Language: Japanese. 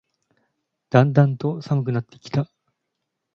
だんだんと寒くなってきた